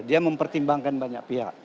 dia mempertimbangkan banyak pihak